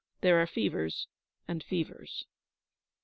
There are fevers and fevers.